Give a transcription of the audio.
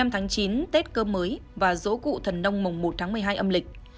một mươi tháng chín tết cơm mới và dỗ cụ thần nông mùng một tháng một mươi hai âm lịch